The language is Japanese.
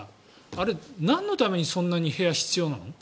あれ、なんのためにそんなに部屋が必要なの？